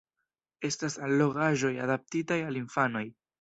Estas allogaĵoj adaptitaj al infanoj.